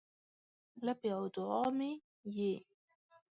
لپې او دوعا مې یې